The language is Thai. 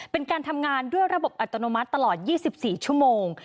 เป็นการทำงานด้วยระบบอัตโนมัติตลอด๒๔ชั่วโมง